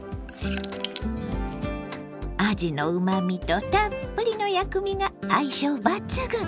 あじのうまみとたっぷりの薬味が相性抜群！